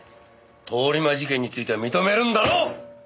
通り魔事件については認めるんだろ！